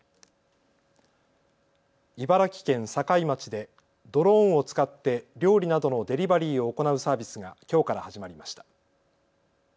茨城県境町でドローンを使って料理などのデリバリーを行うサービスがきょうから始まりました。